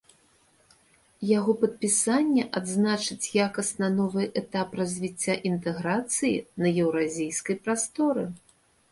Яго падпісанне адзначыць якасна новы этап развіцця інтэграцыі на еўразійскай прасторы.